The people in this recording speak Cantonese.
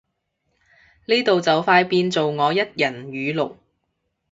呢度就快變做我一人語錄